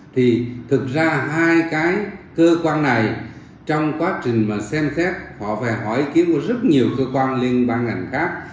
thì thực ra hai cái cơ quan này trong quá trình mà xem xét họ phải hỏi ý kiến của rất nhiều cơ quan liên bang ngành khác